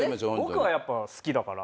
僕はやっぱ好きだから。